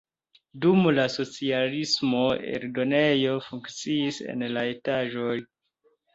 Dum la socialismo eldonejo funkciis en la etaĝoj.